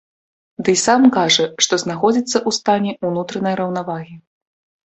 Ды і сам кажа, што знаходзіцца ў стане ўнутранай раўнавагі.